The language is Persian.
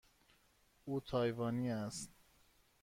او تایوانی است.